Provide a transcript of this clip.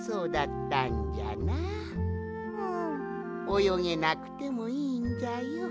およげなくてもいいんじゃよ。